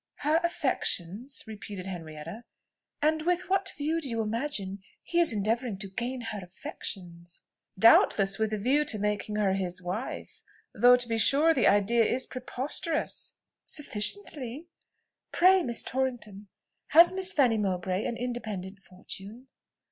"Her affections?" repeated Henrietta. "And with what view do you imagine he is endeavouring to gain her affections?" "Doubtless with a view to making her his wife; though, to be sure, the idea is preposterous." "Sufficiently. Pray, Miss Torrington, has Miss Fanny Mowbray an independent fortune?"